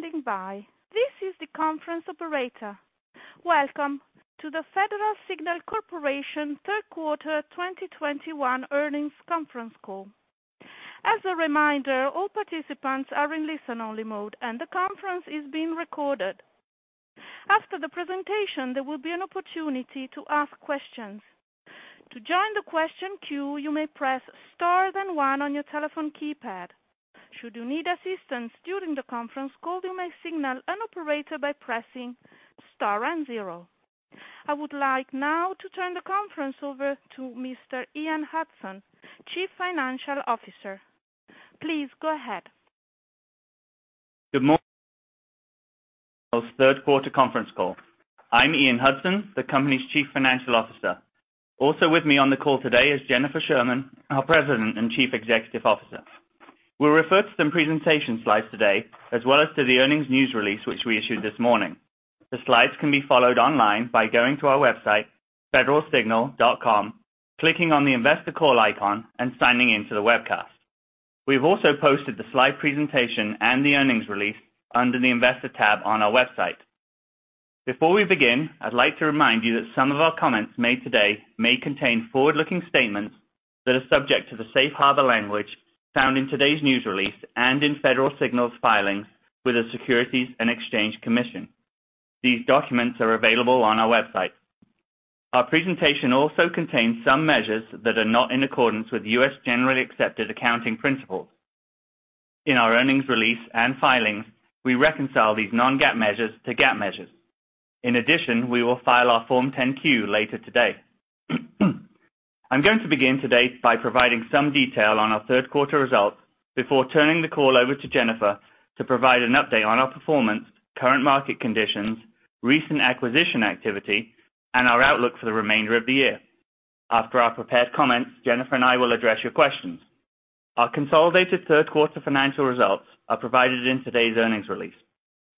Thank you for standing by. This is the conference operator. Welcome to the Federal Signal Corporation third quarter 2021 earnings conference call. As a reminder, all participants are in listen-only mode, and the conference is being recorded. After the presentation, there will be an opportunity to ask questions. To join the question queue, you may press Star then One on your telephone keypad. Should you need assistance during the conference call, you may signal an operator by pressing Star and Zero. I would like now to turn the conference over to Mr. Ian Hudson, Chief Financial Officer. Please go ahead. Good morning. Third quarter conference call. I'm Ian Hudson, the company's Chief Financial Officer. Also with me on the call today is Jennifer Sherman, our President and Chief Executive Officer. We'll refer to some presentation slides today as well as to the earnings news release, which we issued this morning. The slides can be followed online by going to our website, federalsignal.com, clicking on the Investor Call icon and signing in to the webcast. We've also posted the slide presentation and the earnings release under the Investor tab on our website. Before we begin, I'd like to remind you that some of our comments made today may contain forward-looking statements that are subject to the safe harbor language found in today's news release and in Federal Signal's filings with the Securities and Exchange Commission. These documents are available on our website. Our presentation also contains some measures that are not in accordance with U.S. generally accepted accounting principles. In our earnings release and filings, we reconcile these non-GAAP measures to GAAP measures. In addition, we will file our Form 10-Q later today. I'm going to begin today by providing some detail on our third quarter results before turning the call over to Jennifer to provide an update on our performance, current market conditions, recent acquisition activity, and our outlook for the remainder of the year. After our prepared comments, Jennifer and I will address your questions. Our consolidated third quarter financial results are provided in today's earnings release.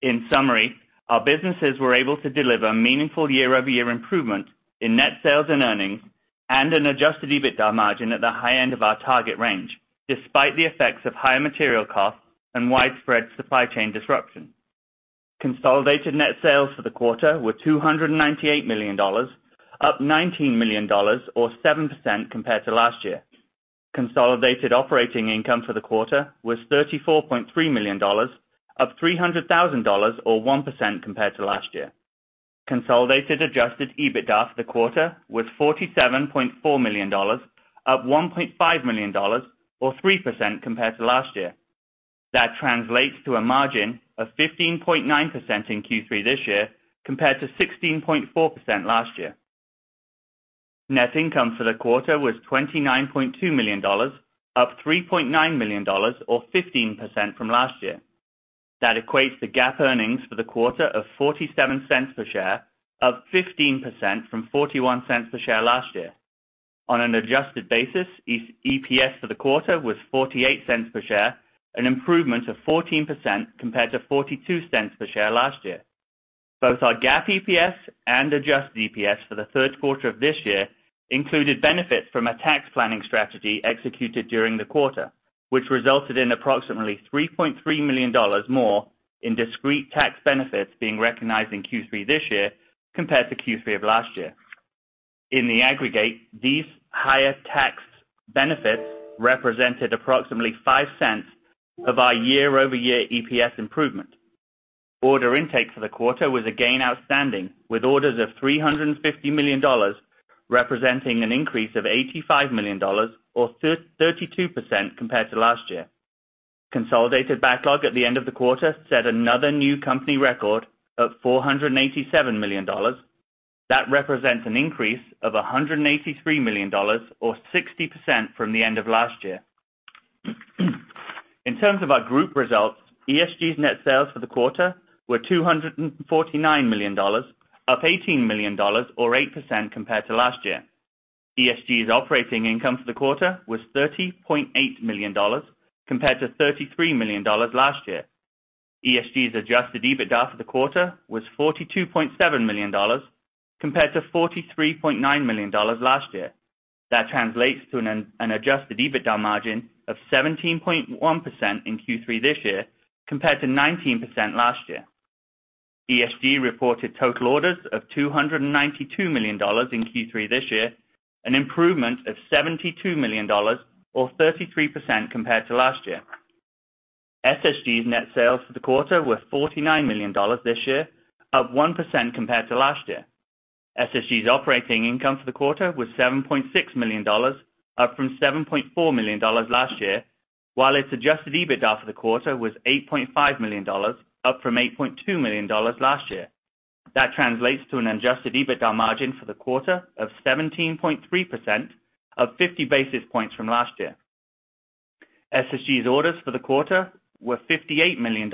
In summary, our businesses were able to deliver meaningful year-over-year improvement in net sales and earnings and an adjusted EBITDA margin at the high end of our target range despite the effects of higher material costs and widespread supply chain disruption. Consolidated net sales for the quarter were $298 million, up $19 million or 7% compared to last year. Consolidated operating income for the quarter was $34.3 million, up $300 thousand or 1% compared to last year. Consolidated adjusted EBITDA for the quarter was $47.4 million, up $1.5 million or 3% compared to last year. That translates to a margin of 15.9% in Q3 this year compared to 16.4% last year. Net income for the quarter was $29.2 million, up $3.9 million or 15% from last year. That equates to GAAP earnings for the quarter of 0.47 per share, up 15% from 0.41 per share last year. On an adjusted basis, adjusted EPS for the quarter was 0.48 per share, an improvement of 14% compared to 0.42 per share last year. Both our GAAP EPS and adjusted EPS for the third quarter of this year included benefits from a tax planning strategy executed during the quarter, which resulted in approximately $3.3 million more in discrete tax benefits being recognized in Q3 this year compared to Q3 of last year. In the aggregate, these higher tax benefits represented approximately 0.05 of our year-over-year EPS improvement. Order intake for the quarter was again outstanding, with orders of $350 million, representing an increase of $85 million or 32% compared to last year. Consolidated backlog at the end of the quarter set another new company record of $487 million. That represents an increase of $183 million or 60% from the end of last year. In terms of our group results, ESG's net sales for the quarter were $249 million, up $18 million or 8% compared to last year. ESG's operating income for the quarter was $30.8 million compared to $33 million last year. ESG's adjusted EBITDA for the quarter was $42.7 million compared to $43.9 million last year. That translates to an adjusted EBITDA margin of 17.1% in Q3 this year compared to 19% last year. ESG reported total orders of $292 million in Q3 this year, an improvement of $72 million or 33% compared to last year. SSG's net sales for the quarter were $49 million this year, up 1% compared to last year. SSG's operating income for the quarter was $7.6 million, up from $7.4 million last year. While its adjusted EBITDA for the quarter was $8.5 million, up from $8.2 million last year. That translates to an adjusted EBITDA margin for the quarter of 17.3%, up 50 basis points from last year. SSG's orders for the quarter were $58 million,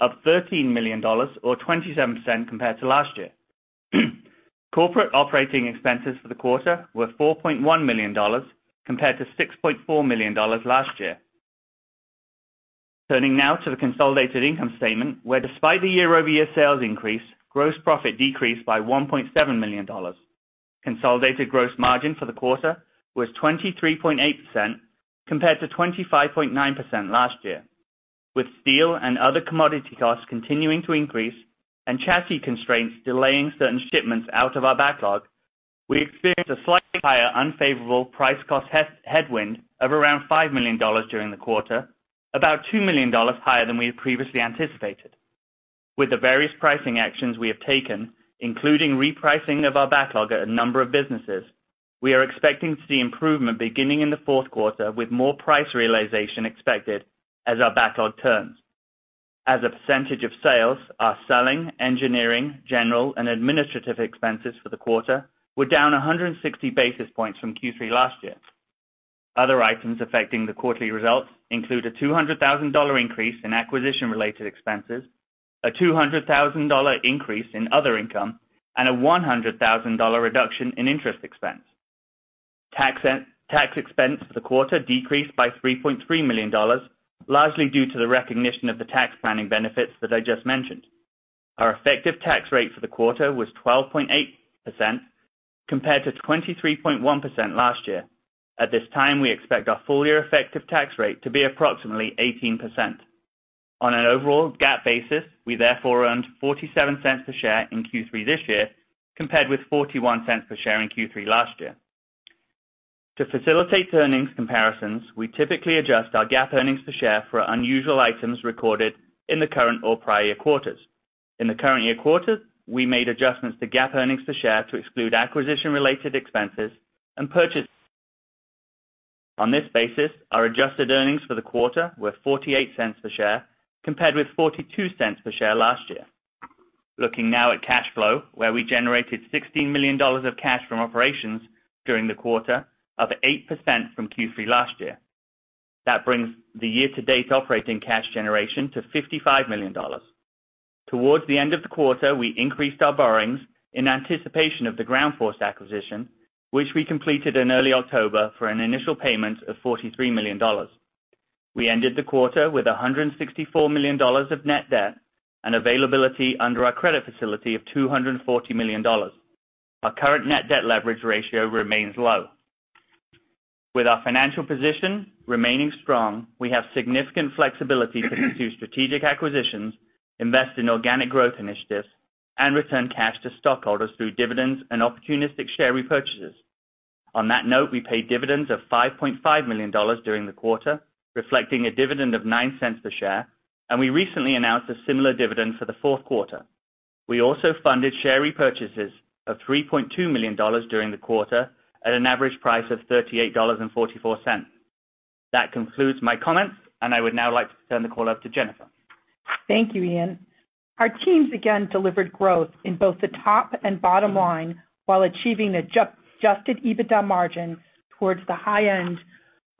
up $13 million or 27% compared to last year. Corporate operating expenses for the quarter were $4.1 million compared to $6.4 million last year. Turning now to the consolidated income statement, where despite the year-over-year sales increase, gross profit decreased by $1.7 million. Consolidated gross margin for the quarter was 23.8% compared to 25.9% last year. With steel and other commodity costs continuing to increase and chassis constraints delaying certain shipments out of our backlog, we experienced a slightly higher unfavorable price-cost headwind of around $5 million during the quarter, about $2 million higher than we had previously anticipated. With the various pricing actions we have taken, including repricing of our backlog at a number of businesses, we are expecting to see improvement beginning in the fourth quarter with more price realization expected as our backlog turns. As a percentage of sales, our selling, engineering, general, and administrative expenses for the quarter were down 160 basis points from Q3 last year. Other items affecting the quarterly results include a $200,000 increase in acquisition related expenses, a $200,000 increase in other income, and a $100,000 reduction in interest expense. Tax expense for the quarter decreased by $3.3 million, largely due to the recognition of the tax planning benefits that I just mentioned. Our effective tax rate for the quarter was 12.8% compared to 23.1% last year. At this time, we expect our full year effective tax rate to be approximately 18%. On an overall GAAP basis, we therefore earnedc 0.47 per share in Q3 this year, compared with 0.41 per share in Q3 last year. To facilitate earnings comparisons, we typically adjust our GAAP earnings per share for unusual items recorded in the current or prior year quarters. In the current year quarter, we made adjustments to GAAP earnings per share to exclude acquisition related expenses and purchase. On this basis, our adjusted earnings for the quarter were $0.48 per share, compared with $0.42 per share last year. Looking now at cash flow, where we generated $16 million of cash from operations during the quarter, up 8% from Q3 last year. That brings the year to date operating cash generation to $55 million. Towards the end of the quarter, we increased our borrowings in anticipation of the Ground Force acquisition, which we completed in early October for an initial payment of $43 million. We ended the quarter with $164 million of net debt and availability under our credit facility of $240 million. Our current net debt leverage ratio remains low. With our financial position remaining strong, we have significant flexibility to do strategic acquisitions, invest in organic growth initiatives, and return cash to stockholders through dividends and opportunistic share repurchases. On that note, we paid dividends of $5.5 million during the quarter, reflecting a dividend of 0.09 per share, and we recently announced a similar dividend for the fourth quarter. We also funded share repurchases of 3.2 million during the quarter at an average price of 38.44. That concludes my comments, and I would now like to turn the call over to Jennifer. Thank you, Ian. Our teams again delivered growth in both the top and bottom line while achieving adjusted EBITDA margin towards the high end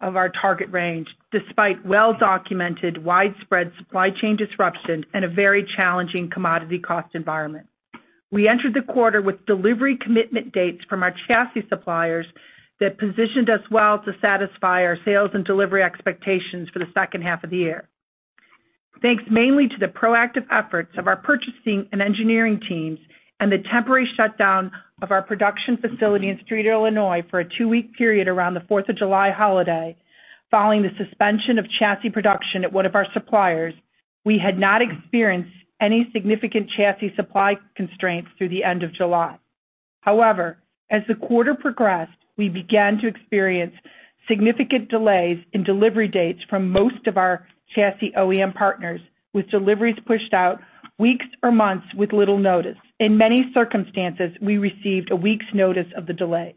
of our target range, despite well-documented widespread supply chain disruption and a very challenging commodity cost environment. We entered the quarter with delivery commitment dates from our chassis suppliers that positioned us well to satisfy our sales and delivery expectations for the second half of the year. Thanks mainly to the proactive efforts of our purchasing and engineering teams and the temporary shutdown of our production facility in Streator, Illinois, for a two-week period around the Fourth of July holiday. Following the suspension of chassis production at one of our suppliers, we had not experienced any significant chassis supply constraints through the end of July. However, as the quarter progressed, we began to experience significant delays in delivery dates from most of our chassis OEM partners, with deliveries pushed out weeks or months with little notice. In many circumstances, we received a week's notice of the delay.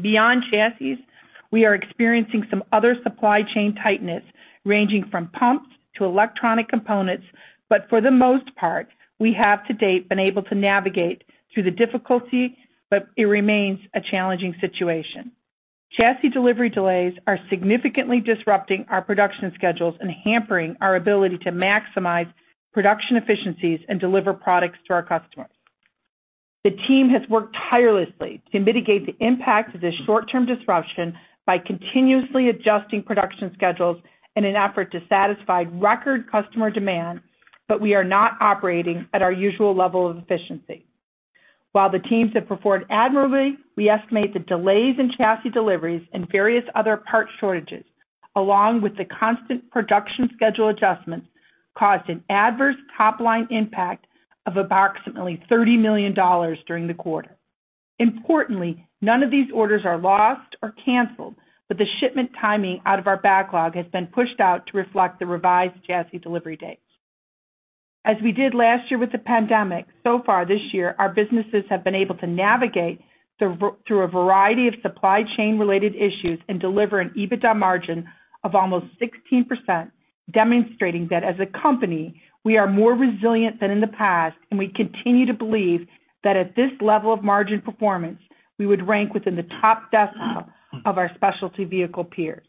Beyond chassis, we are experiencing some other supply chain tightness, ranging from pumps to electronic components, but for the most part, we have to date been able to navigate through the difficulty, but it remains a challenging situation. Chassis delivery delays are significantly disrupting our production schedules and hampering our ability to maximize production efficiencies and deliver products to our customers. The team has worked tirelessly to mitigate the impact of this short-term disruption by continuously adjusting production schedules in an effort to satisfy record customer demand, but we are not operating at our usual level of efficiency. While the teams have performed admirably, we estimate the delays in chassis deliveries and various other part shortages, along with the constant production schedule adjustments, caused an adverse top-line impact of approximately $30 million during the quarter. Importantly, none of these orders are lost or canceled, but the shipment timing out of our backlog has been pushed out to reflect the revised chassis delivery dates. As we did last year with the pandemic, so far this year our businesses have been able to navigate through a variety of supply chain related issues and deliver an EBITDA margin of almost 16%, demonstrating that as a company, we are more resilient than in the past, and we continue to believe that at this level of margin performance, we would rank within the top decile of our specialty vehicle peers.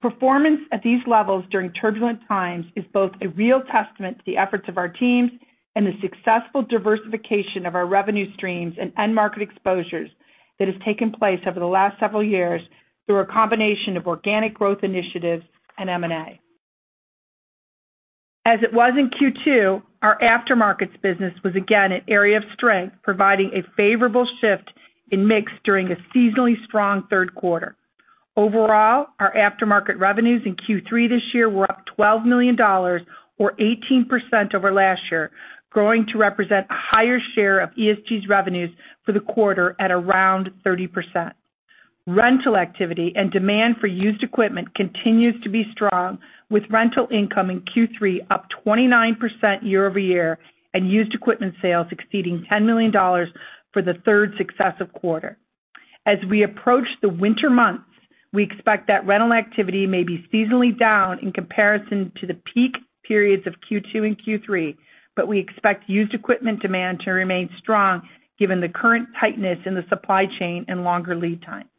Performance at these levels during turbulent times is both a real testament to the efforts of our teams and the successful diversification of our revenue streams and end market exposures that has taken place over the last several years through a combination of organic growth initiatives and M&A. As it was in Q2, our aftermarkets business was again an area of strength, providing a favorable shift in mix during a seasonally strong third quarter. Overall, our aftermarket revenues in Q3 this year were up $12 million or 18% over last year, growing to represent a higher share of ESG's revenues for the quarter at around 30%. Rental activity and demand for used equipment continues to be strong, with rental income in Q3 up 29% year-over-year, and used equipment sales exceeding $10 million for the third successive quarter. As we approach the winter months, we expect that rental activity may be seasonally down in comparison to the peak periods of Q2 and Q3, but we expect used equipment demand to remain strong given the current tightness in the supply chain and longer lead time.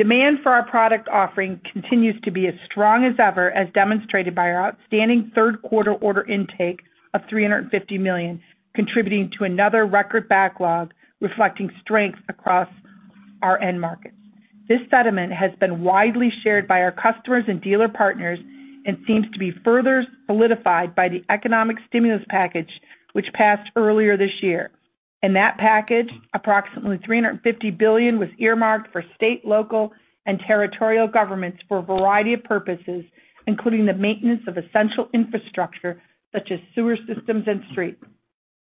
Demand for our product offering continues to be as strong as ever, as demonstrated by our outstanding third quarter order intake of 350 million, contributing to another record backlog reflecting strength across our end markets. This sentiment has been widely shared by our customers and dealer partners and seems to be further solidified by the economic stimulus package which passed earlier this year. In that package, approximately 350 billion was earmarked for state, local, and territorial governments for a variety of purposes, including the maintenance of essential infrastructure such as sewer systems and streets.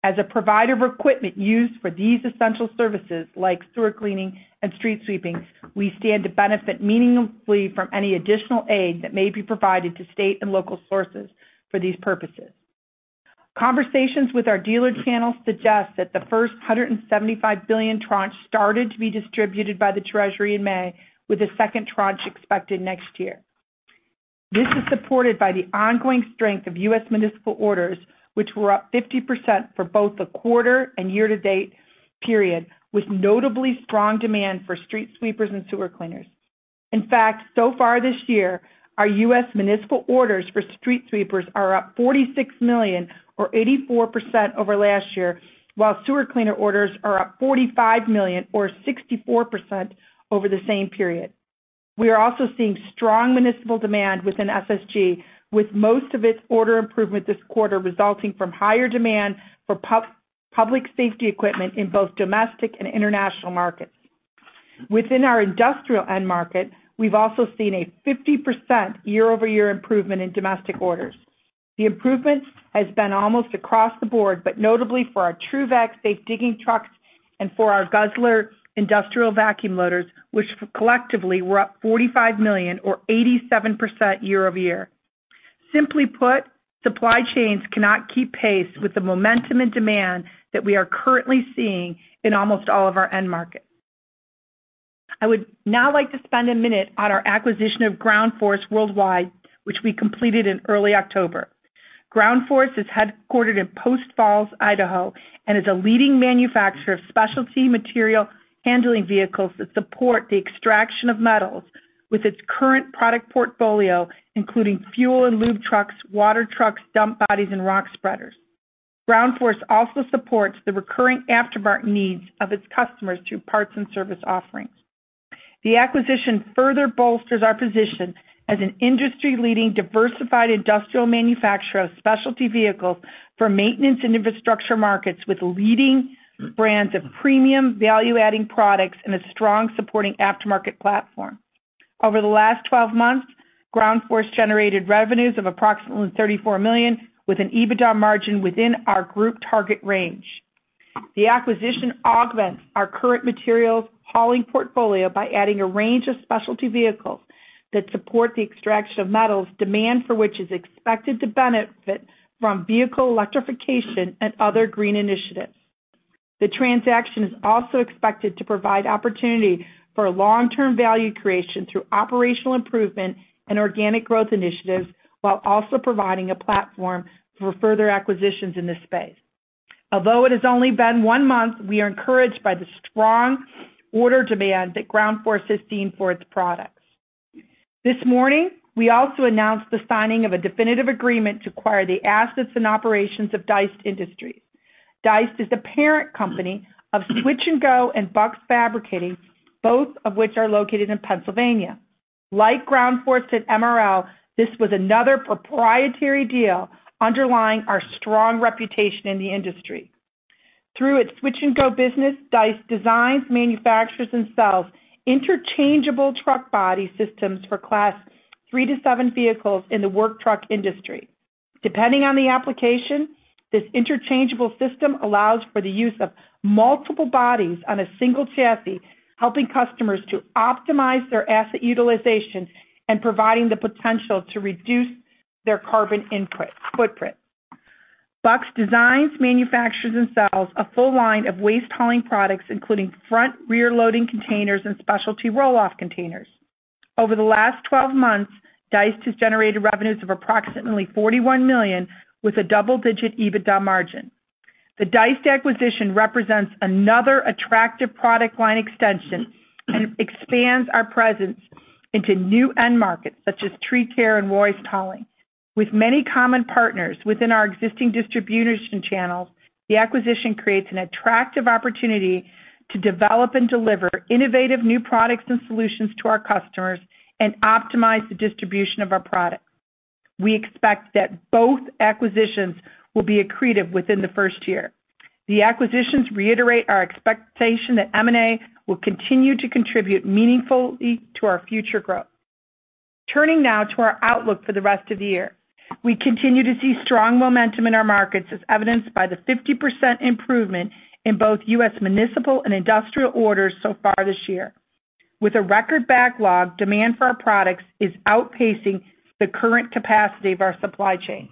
As a provider of equipment used for these essential services, like sewer cleaning and street sweeping, we stand to benefit meaningfully from any additional aid that may be provided to state and local sources for these purposes. Conversations with our dealer channels suggest that the first $175 billion tranche started to be distributed by the Treasury in May, with a second tranche expected next year. This is supported by the ongoing strength of U.S. municipal orders, which were up 50% for both the quarter and year-to-date period, with notably strong demand for street sweepers and sewer cleaners. In fact, so far this year, our U.S. municipal orders for street sweepers are up 46 million or 84% over last year, while sewer cleaner orders are up 45 million or 64% over the same period. We are also seeing strong municipal demand within SSG, with most of its order improvement this quarter resulting from higher demand for public safety equipment in both domestic and international markets. Within our industrial end market, we've also seen a 50% year-over-year improvement in domestic orders. The improvement has been almost across the board, but notably for our TRUVAC safe digging trucks and for our Guzzler industrial vacuum loaders, which collectively were up 45 million or 87% year-over-year. Simply put, supply chains cannot keep pace with the momentum and demand that we are currently seeing in almost all of our end markets. I would now like to spend a minute on our acquisition of Ground Force Worldwide, which we completed in early October. Ground Force is headquartered in Post Falls, Idaho, and is a leading manufacturer of specialty material handling vehicles that support the extraction of metals with its current product portfolio, including fuel and lube trucks, water trucks, dump bodies and rock spreaders. Ground Force also supports the recurring aftermarket needs of its customers through parts and service offerings. The acquisition further bolsters our position as an industry-leading diversified industrial manufacturer of specialty vehicles for maintenance and infrastructure markets with leading brands of premium value-adding products and a strong supporting aftermarket platform. Over the last 12 months, Ground Force generated revenues of approximately 34 million, with an EBITDA margin within our group target range. The acquisition augments our current materials hauling portfolio by adding a range of specialty vehicles that support the extraction of metals, demand for which is expected to benefit from vehicle electrification and other green initiatives. The transaction is also expected to provide opportunity for long-term value creation through operational improvement and organic growth initiatives, while also providing a platform for further acquisitions in this space. Although it has only been one month, we are encouraged by the strong order demand that Ground Force has seen for its products. This morning, we also announced the signing of a definitive agreement to acquire the assets and operations of Deist Industries. Deist is the parent company of Switch-N-Go and Bucks Fabricating, both of which are located in Pennsylvania. Like Ground Force at MRL, this was another proprietary deal underlying our strong reputation in the industry. Through its Switch-N-Go business, Deist designs, manufactures, and sells interchangeable truck body systems for class three-seven vehicles in the work truck industry. Depending on the application, this interchangeable system allows for the use of multiple bodies on a single chassis, helping customers to optimize their asset utilization and providing the potential to reduce their carbon footprint. Bucks designs, manufactures, and sells a full line of waste hauling products, including front- and rear-loading containers and specialty roll-off containers. Over the last 12 months, Deist has generated revenues of approximately 41 million, with a double-digit EBITDA margin. The Deist acquisition represents another attractive product line extension and expands our presence into new end markets such as tree care and waste hauling. With many common partners within our existing distribution channels, the acquisition creates an attractive opportunity to develop and deliver innovative new products and solutions to our customers and optimize the distribution of our products. We expect that both acquisitions will be accretive within the first year. The acquisitions reiterate our expectation that M&A will continue to contribute meaningfully to our future growth. Turning now to our outlook for the rest of the year. We continue to see strong momentum in our markets as evidenced by the 50% improvement in both U.S. municipal and industrial orders so far this year. With a record backlog, demand for our products is outpacing the current capacity of our supply chain.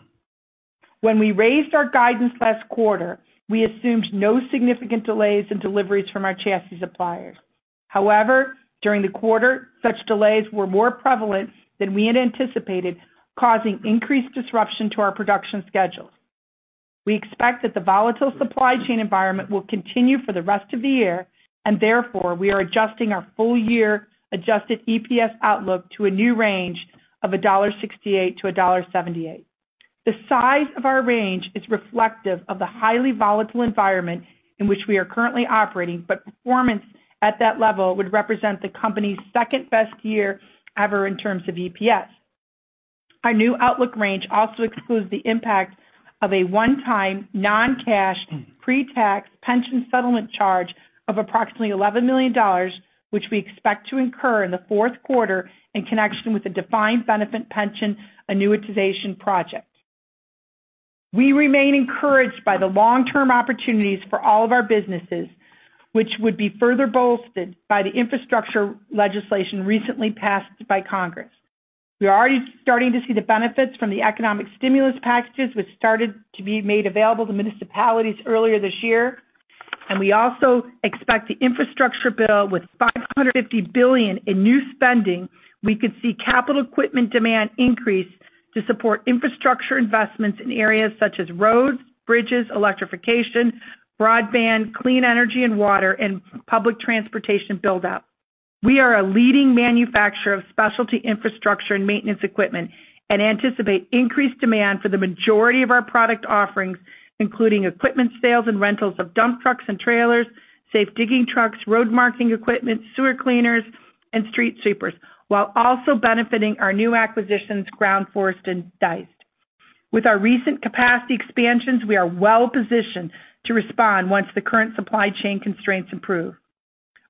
When we raised our guidance last quarter, we assumed no significant delays in deliveries from our chassis suppliers. However, during the quarter, such delays were more prevalent than we had anticipated, causing increased disruption to our production schedules. We expect that the volatile supply chain environment will continue for the rest of the year and therefore, we are adjusting our full year adjusted EPS outlook to a new range of $1.68-$1.78. The size of our range is reflective of the highly volatile environment in which we are currently operating, but performance at that level would represent the company's second-best year ever in terms of EPS. Our new outlook range also excludes the impact of a one-time non-cash pre-tax pension settlement charge of approximately $11 million, which we expect to incur in the fourth quarter in connection with the defined benefit pension annuitization project. We remain encouraged by the long-term opportunities for all of our businesses, which would be further bolstered by the infrastructure legislation recently passed by Congress. We are already starting to see the benefits from the economic stimulus packages, which started to be made available to municipalities earlier this year. We also expect the infrastructure bill with 550 billion in new spending. We could see capital equipment demand increase to support infrastructure investments in areas such as roads, bridges, electrification, broadband, clean energy and water, and public transportation build-up. We are a leading manufacturer of specialty infrastructure and maintenance equipment and anticipate increased demand for the majority of our product offerings, including equipment sales and rentals of dump trucks and trailers, safe digging trucks, road marking equipment, sewer cleaners, and street sweepers, while also benefiting our new acquisitions, Ground Force and Deist. With our recent capacity expansions, we are well-positioned to respond once the current supply chain constraints improve.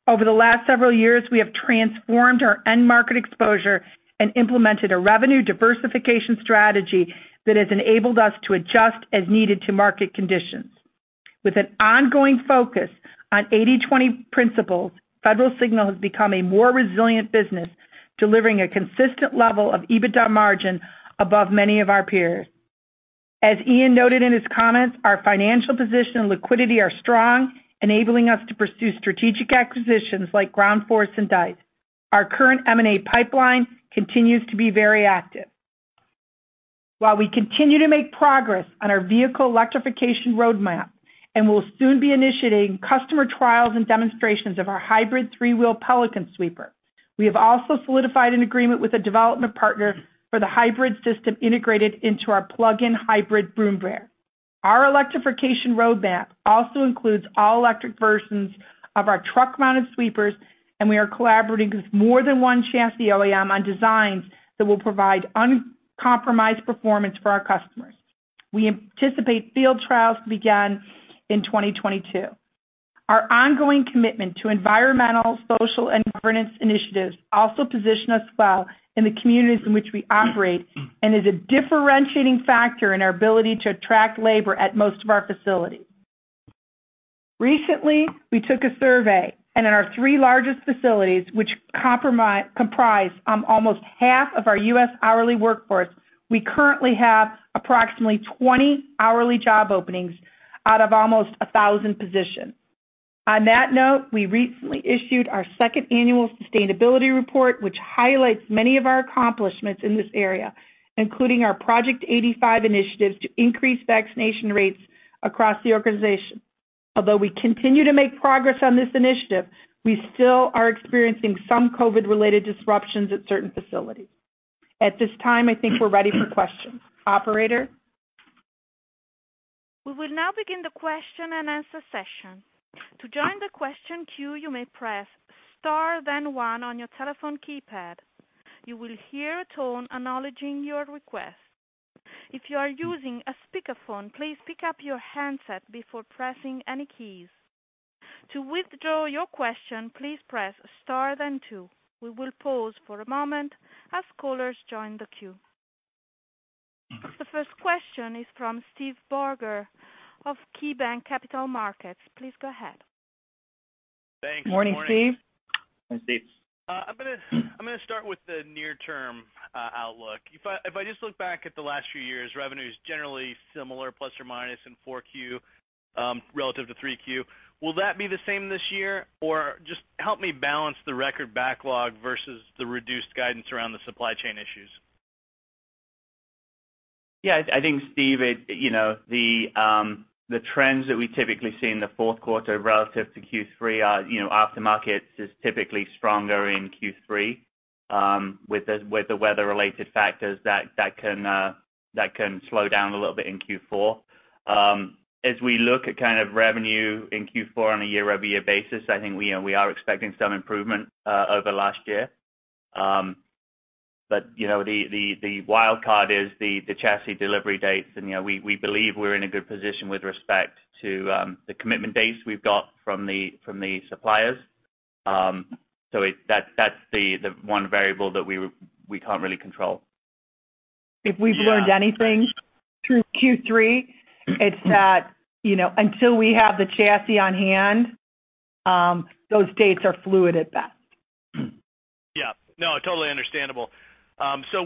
Over the last several years, we have transformed our end market exposure and implemented a revenue diversification strategy that has enabled us to adjust as needed to market conditions. With an ongoing focus on 80/20 principles, Federal Signal has become a more resilient business, delivering a consistent level of EBITDA margin above many of our peers. As Ian noted in his comments, our financial position and liquidity are strong, enabling us to pursue strategic acquisitions like Ground Force and Deist. Our current M&A pipeline continues to be very active. While we continue to make progress on our vehicle electrification roadmap, and we'll soon be initiating customer trials and demonstrations of our hybrid three-wheel Pelican sweeper. We have also solidified an agreement with a development partner for the hybrid system integrated into our plug-in hybrid Broom Bear. Our electrification roadmap also includes all electric versions of our truck-mounted sweepers, and we are collaborating with more than one chassis OEM on designs that will provide uncompromised performance for our customers. We anticipate field trials to begin in 2022. Our ongoing commitment to environmental, social, and governance initiatives also position us well in the communities in which we operate and is a differentiating factor in our ability to attract labor at most of our facilities. Recently, we took a survey and in our three largest facilities, which comprise almost half of our U.S. hourly workforce, we currently have approximately 20 hourly job openings out of almost 1,000 positions. On that note, we recently issued our second annual sustainability report, which highlights many of our accomplishments in this area, including our Project 85 initiatives to increase vaccination rates across the organization. Although we continue to make progress on this initiative, we still are experiencing some COVID-related disruptions at certain facilities. At this time, I think we're ready for questions. Operator? We will now begin the question-and-answer session. To join the question queue, you may press Star then One on your telephone keypad. You will hear a tone acknowledging your request. If you are using a speakerphone, please pick up your handset before pressing any keys. To withdraw your question, please press Star then Two. We will pause for a moment as callers join the queue. The first question is from Steve Barger of KeyBanc Capital Markets. Please go ahead. Morning, Steve. Morning, Steve. I'm gonna start with the near-term outlook. If I just look back at the last few years, revenue is generally similar, plus or minus in Q4 relative to Q3. Will that be the same this year? Or just help me balance the record backlog versus the reduced guidance around the supply chain issues. Yeah, I think, Steve, you know, the trends that we typically see in the fourth quarter relative to Q3 are, you know, aftermarket is typically stronger in Q3 with the weather-related factors that can slow down a little bit in Q4. As we look at kind of revenue in Q4 on a year-over-year basis, I think we are expecting some improvement over last year. You know, the wild card is the chassis delivery dates. You know, we believe we're in a good position with respect to the commitment dates we've got from the suppliers. That's the one variable that we can't really control. If we've learned anything through Q3, it's that, you know, until we have the chassis on hand, those dates are fluid at best. Yeah. No, totally understandable.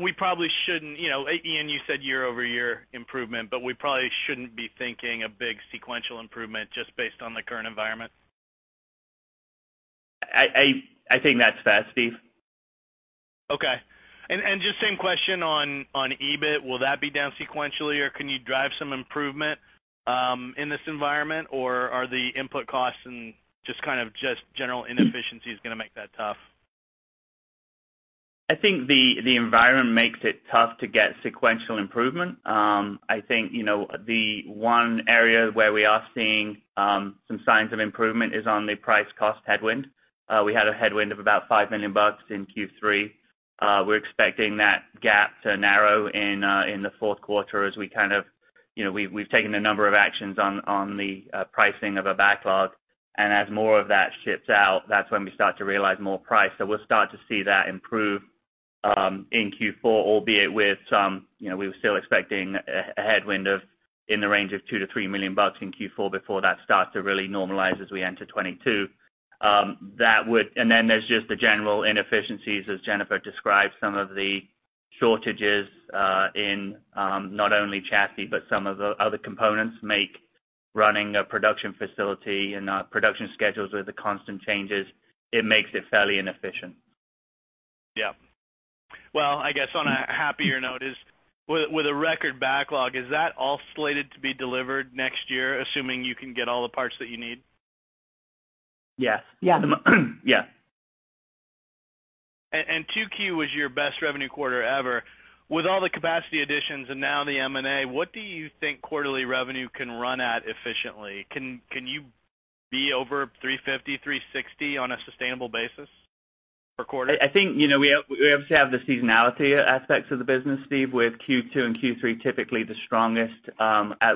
We probably shouldn't, you know, Ian, you said year-over-year improvement, but we probably shouldn't be thinking a big sequential improvement just based on the current environment. I think that's fair, Steve. Okay. Just same question on EBIT, will that be down sequentially or can you drive some improvement in this environment? Or are the input costs and just kind of just general inefficiencies gonna make that tough? I think the environment makes it tough to get sequential improvement. I think, you know, the one area where we are seeing some signs of improvement is on the price cost headwind. We had a headwind of about five million in Q3. We're expecting that gap to narrow in the fourth quarter as we kind of, you know, we've taken a number of actions on the pricing of a backlog. As more of that ships out, that's when we start to realize more price. We'll start to see that improve in Q4, albeit with some, you know, we were still expecting a headwind of in the range of two million-three million in Q4 before that starts to really normalize as we enter 2022. There's just the general inefficiencies, as Jennifer described, some of the shortages in not only chassis, but some of the other components make running a production facility and production schedules with the constant changes. It makes it fairly inefficient. Yeah. Well, I guess on a happier note is with a record backlog, is that all slated to be delivered next year, assuming you can get all the parts that you need? Yes. Yeah. Yeah. 2Q was your best revenue quarter ever. With all the capacity additions and now the M&A, what do you think quarterly revenue can run at efficiently? Can you be over 350, 360 on a sustainable basis per quarter? I think, you know, we obviously have the seasonality aspects of the business, Steve, with Q2 and Q3 typically the strongest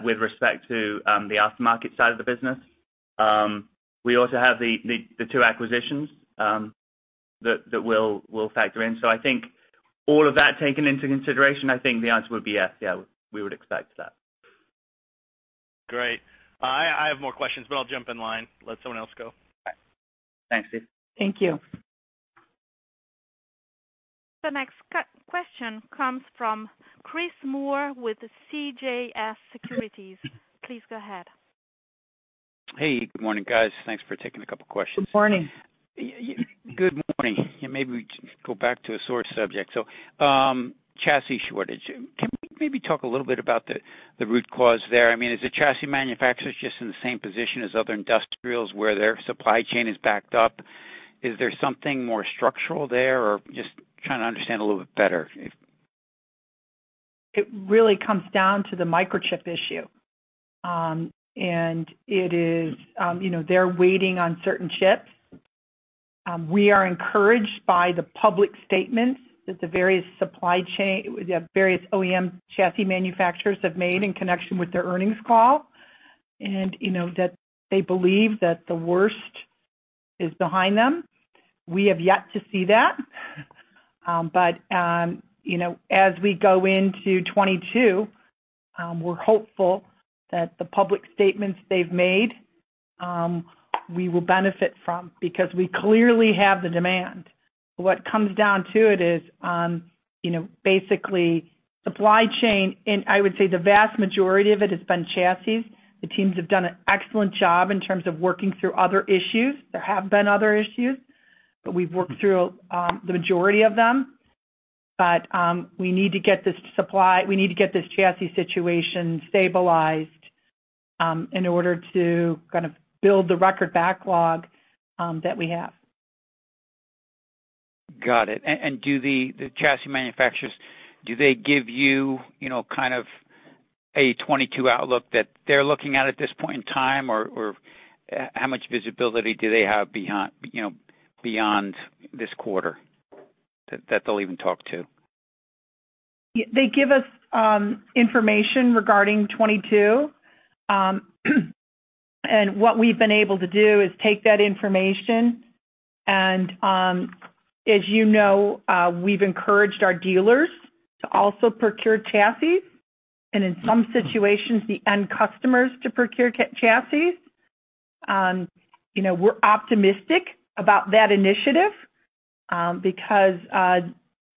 with respect to the aftermarket side of the business. We also have the two acquisitions that we'll factor in. I think all of that taken into consideration, I think the answer would be yes. Yeah, we would expect that. Great. I have more questions, but I'll jump in line. Let someone else go. Thanks, Steve. Thank you. The next question comes from Chris Moore with CJS Securities. Please go ahead. Hey, good morning, guys. Thanks for taking a couple questions. Good morning. Good morning. Yeah, maybe we go back to a sore subject. Chassis shortage. Can you maybe talk a little bit about the root cause there? I mean, is the chassis manufacturer just in the same position as other industrials where their supply chain is backed up? Is there something more structural there? Or just trying to understand a little bit better if It really comes down to the microchip issue. It is, you know, they're waiting on certain chips. We are encouraged by the public statements that the various OEM chassis manufacturers have made in connection with their earnings call. You know, that they believe that the worst is behind them. We have yet to see that. You know, as we go into 2022, we're hopeful that the public statements they've made, we will benefit from because we clearly have the demand. What it comes down to it is, you know, basically supply chain, and I would say the vast majority of it has been chassis. The teams have done an excellent job in terms of working through other issues. There have been other issues, but we've worked through the majority of them. We need to get this chassis situation stabilized in order to kind of build the record backlog that we have. Got it. Do the chassis manufacturers give you know, kind of a 2022 outlook that they're looking at at this point in time or how much visibility do they have beyond, you know, beyond this quarter that they'll even talk to? They give us information regarding 2022. What we've been able to do is take that information and, as you know, we've encouraged our dealers to also procure chassis and in some situations the end customers to procure chassis. You know, we're optimistic about that initiative, because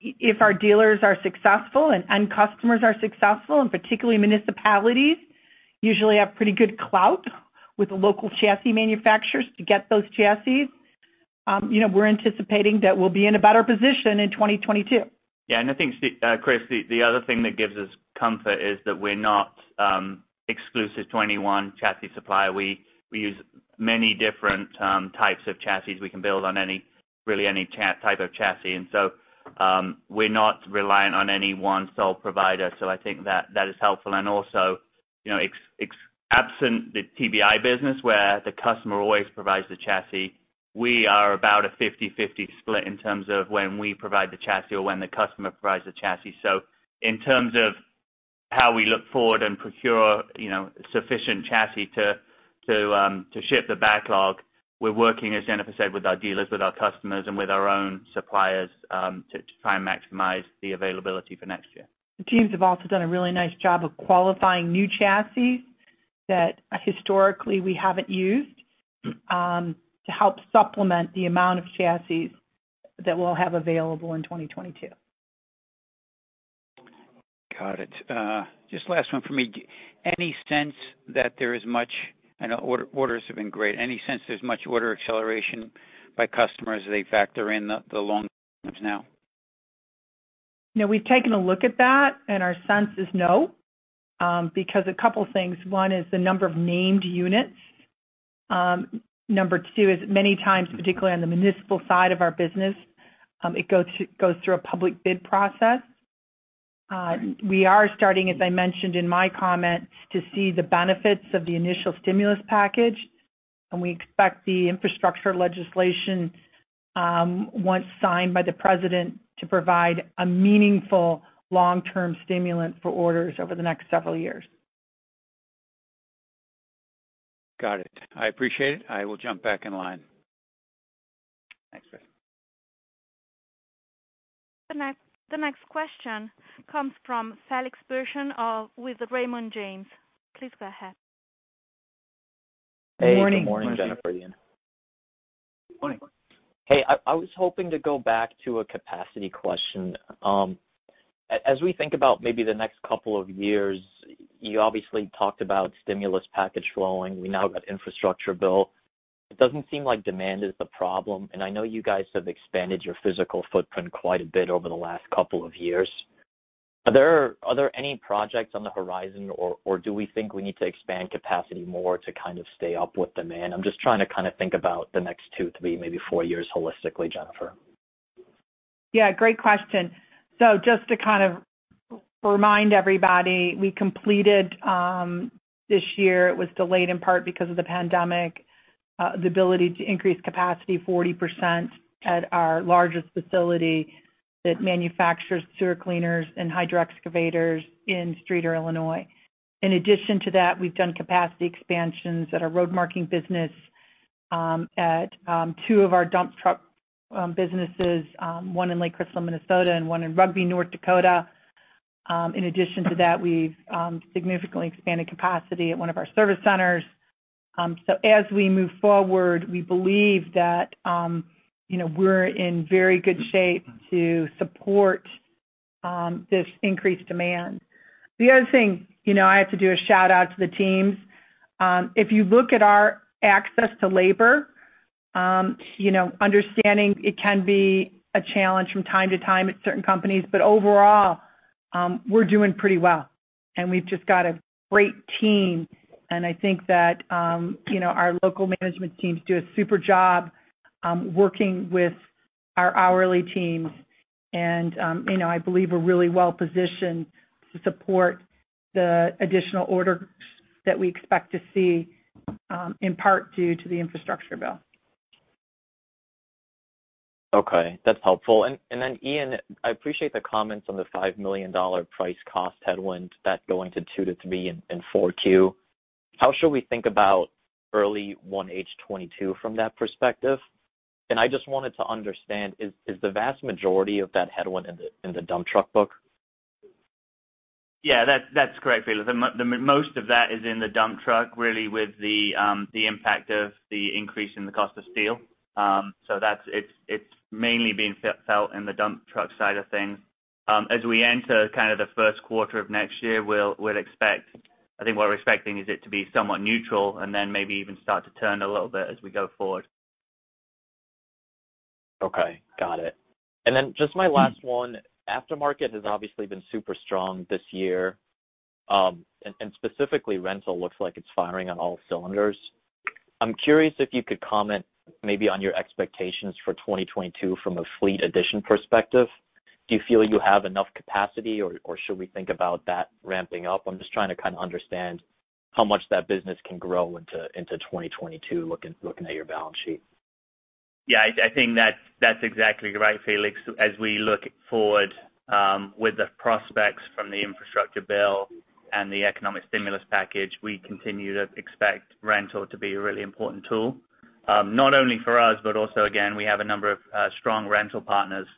if our dealers are successful and end customers are successful, and particularly municipalities usually have pretty good clout with the local chassis manufacturers to get those chassis. You know, we're anticipating that we'll be in a better position in 2022. I think Chris, the other thing that gives us comfort is that we're not exclusive to any one chassis supplier. We use many different types of chassis. We can build on any type of chassis. We're not reliant on any one sole provider. I think that is helpful. You know, absent the TBI business where the customer always provides the chassis, we are about a 50/50 split in terms of when we provide the chassis or when the customer provides the chassis. In terms of how we look forward and procure you know, sufficient chassis to ship the backlog, we're working, as Jennifer said, with our dealers, with our customers, and with our own suppliers, to try and maximize the availability for next year. The teams have also done a really nice job of qualifying new chassis that historically we haven't used to help supplement the amount of chassis that we'll have available in 2022. Got it. Just last one from me. Any sense that there is much, I know orders have been great. Any sense there's much order acceleration by customers as they factor in the long terms now? No, we've taken a look at that, and our sense is no, because a couple things. One is the number of named units. Number two is many times, particularly on the municipal side of our business, it goes through a public bid process. We are starting, as I mentioned in my comments, to see the benefits of the initial stimulus package, and we expect the infrastructure legislation, once signed by the president, to provide a meaningful long-term stimulant for orders over the next several years. Got it. I appreciate it. I will jump back in line. Thanks, Chris. The next question comes from Felix Boeschen with Raymond James. Please go ahead. Morning. Hey, good morning, Jennifer and Ian. Morning. Hey. I was hoping to go back to a capacity question. As we think about maybe the next couple of years, you obviously talked about stimulus package flowing. We now got infrastructure bill. It doesn't seem like demand is the problem, and I know you guys have expanded your physical footprint quite a bit over the last couple of years. Are there any projects on the horizon, or do we think we need to expand capacity more to kind of stay up with demand? I'm just trying to kind of think about the next two, three, maybe four years holistically, Jennifer. Yeah, great question. Just to kind of remind everybody, we completed this year, it was delayed in part because of the pandemic, the ability to increase capacity 40% at our largest facility that manufactures sewer cleaners and hydro excavators in Streator, Illinois. In addition to that, we've done capacity expansions at our road marking business, at two of our dump truck businesses, one in Lake Crystal, Minnesota and one in Rugby, North Dakota. In addition to that, we've significantly expanded capacity at one of our service centers. As we move forward, we believe that, you know, we're in very good shape to support this increased demand. The other thing, you know, I have to do a shout-out to the teams. If you look at our access to labor, you know, understanding it can be a challenge from time to time at certain companies. Overall, we're doing pretty well, and we've just got a great team. I think that, you know, our local management teams do a super job, working with our hourly teams and, you know, I believe we're really well positioned to support the additional orders that we expect to see, in part due to the infrastructure bill. Okay, that's helpful. Ian, I appreciate the comments on the $5 million price cost headwind, that going to two-three million in Q4. How should we think about early 1H 2022 from that perspective? I just wanted to understand, is the vast majority of that headwind in the dump truck book? Yeah, that's correct, Felix. The most of that is in the dump truck, really with the impact of the increase in the cost of steel. That's mainly being felt in the dump truck side of things. As we enter kind of the first quarter of next year, we'll expect I think what we're expecting is it to be somewhat neutral and then maybe even start to turn a little bit as we go forward. Okay. Got it. Just my last one. Aftermarket has obviously been super strong this year. Specifically, rental looks like it's firing on all cylinders. I'm curious if you could comment maybe on your expectations for 2022 from a fleet addition perspective. Do you feel you have enough capacity or should we think about that ramping up? I'm just trying to kind of understand how much that business can grow into 2022 looking at your balance sheet. Yeah. I think that's exactly right, Felix. As we look forward with the prospects from the infrastructure bill and the economic stimulus package, we continue to expect rental to be a really important tool. Not only for us, but also again, we have a number of strong rental partners.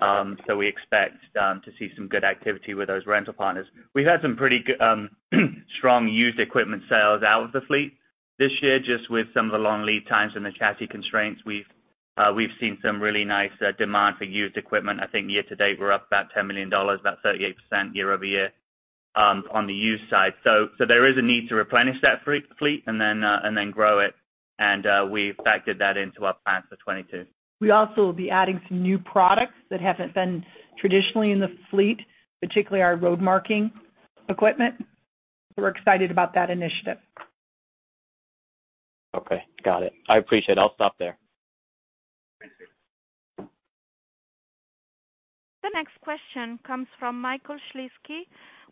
So we expect to see some good activity with those rental partners. We've had some pretty strong used equipment sales out of the fleet this year just with some of the long lead times and the chassis constraints. We've seen some really nice demand for used equipment. I think year to date, we're up about $10 million, about 38% year-over-year on the used side. So there is a need to replenish that fleet and then grow it. We've factored that into our plans for 2022. We also will be adding some new products that haven't been traditionally in the fleet, particularly our road marking equipment. We're excited about that initiative. Okay. Got it. I appreciate it. I'll stop there. Thanks, Felix. The next question comes from Michael Shlisky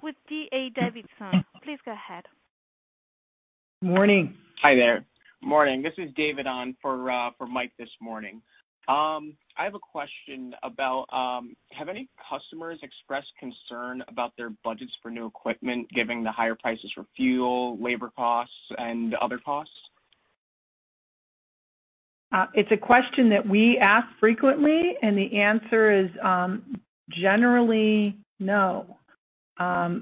with D.A. Davidson. Please go ahead. Morning. Hi there. Morning. This is David on for Mike this morning. I have a question. Have any customers expressed concern about their budgets for new equipment, given the higher prices for fuel, labor costs, and other costs? It's a question that we ask frequently, and the answer is, generally no. I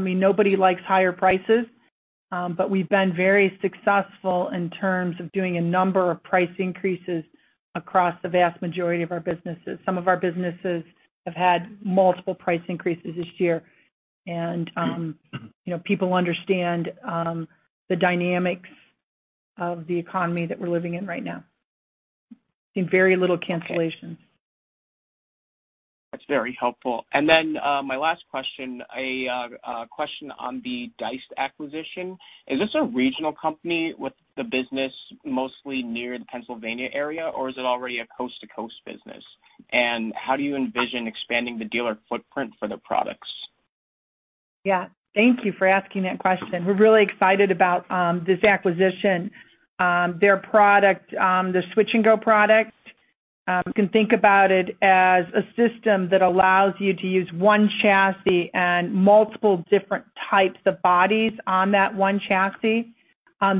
mean, nobody likes higher prices, but we've been very successful in terms of doing a number of price increases across the vast majority of our businesses. Some of our businesses have had multiple price increases this year. You know, people understand the dynamics of the economy that we're living in right now. We've seen very little cancellations. That's very helpful. My last question, a question on the Deist acquisition. Is this a regional company with the business mostly near the Pennsylvania area, or is it already a coast-to-coast business? How do you envision expanding the dealer footprint for the products? Yeah. Thank you for asking that question. We're really excited about this acquisition. Their product, the Switch-N-Go product, you can think about it as a system that allows you to use one chassis and multiple different types of bodies on that one chassis.